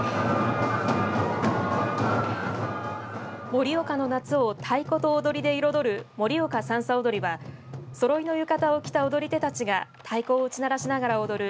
盛岡の夏を太鼓と踊りで彩る盛岡さんさ踊りはそろいの浴衣を着た踊り手たちが太鼓を打ち鳴らしながら踊る